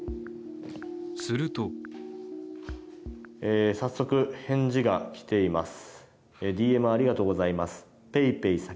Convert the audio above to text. すると早速、返事が来ています。